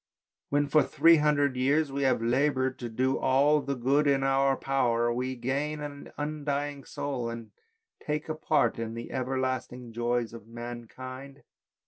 When, for three hundred years, we have laboured to do all the good in our power we gain an undying soul and take a part in the ever lasting joys of mankind.